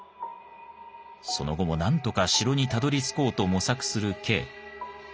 その後も何とか城にたどりつこうと模索するＫ。